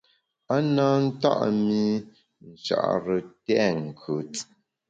A na nta’ mi Nchare tèt nkùt.